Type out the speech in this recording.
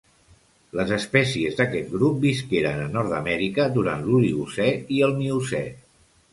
Les espècies d'aquest grup visqueren a Nord-amèrica durant l'Oligocè i el Miocè.